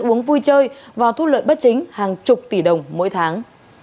uống vui chơi và thu lợi bất chính hàng chục tỷ đồng mỗi tháng